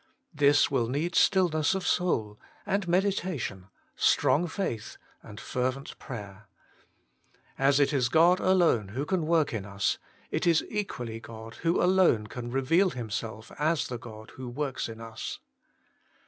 This will need stillness of soul, and medita tion, strong faith and fervent prayer. As it is God alone who can work in us, it is equally God who alone can reveal Himself as the God who zvorks in us.